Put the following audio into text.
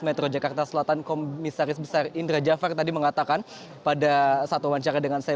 metro jakarta selatan komisaris besar indra jafar tadi mengatakan pada saat wawancara dengan saya